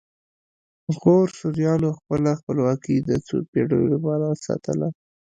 د غور سوریانو خپله خپلواکي د څو پیړیو لپاره وساتله